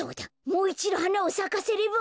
もういちど花をさかせれば。